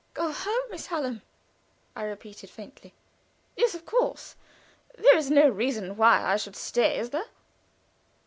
"Go home, Miss Hallam!" I repeated, faintly. "Yes, of course. There is no reason why I should stay, is there?"